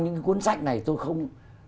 những cuốn sách này tôi không